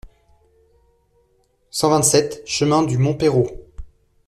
cent vingt-sept chemin du Mont Perrot